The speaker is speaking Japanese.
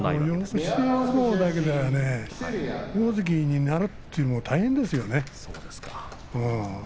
押し相撲だけでは大関になるというのは大変ですね。